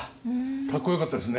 かっこよかったですね。